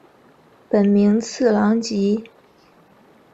本名次郎吉。